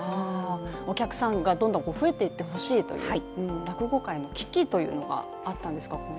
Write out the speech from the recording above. お客さんがどんどん増えていってほしいという落語界の危機というのがあったんですか？